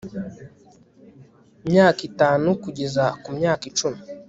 myaka itanu kugeza ku myaka icumi